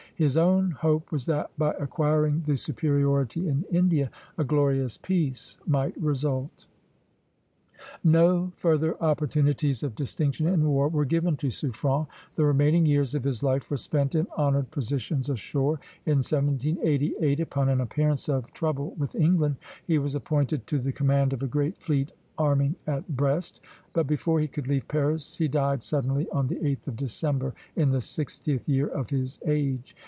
His own hope was that, by acquiring the superiority in India, a glorious peace might result. No further opportunities of distinction in war were given to Suffren. The remaining years of his life were spent in honored positions ashore. In 1788, upon an appearance of trouble with England, he was appointed to the command of a great fleet arming at Brest; but before he could leave Paris he died suddenly on the 8th of December, in the sixtieth year of his age.